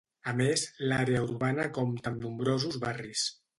A més, l'àrea urbana compta amb nombrosos barris.